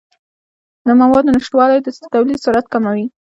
د موادو نشتوالی د تولید سرعت کموي.